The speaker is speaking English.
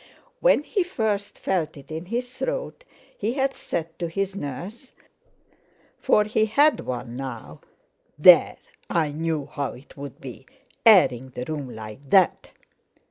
When he first felt it in his throat he had said to his nurse—for he had one now—"There, I knew how it would be, airing the room like that!"